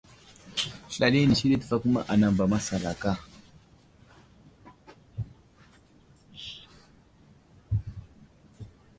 Slal inisi ɗi təfakuma ba anaŋ masalaka tsəhed.